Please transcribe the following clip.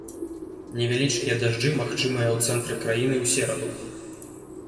Невялічкія дажджы магчымыя ў цэнтры краіны ў сераду.